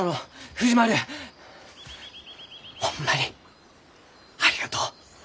藤丸ホンマにありがとう。